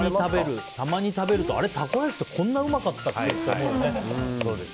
たまに食べるとあれ、タコライスってこんなうまかったっけって思うよね。